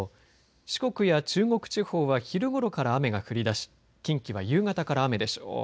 四国や中国地方は昼ごろから雨が降り出し近畿は夕方から雨でしょう。